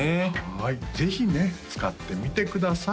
はいぜひね使ってみてください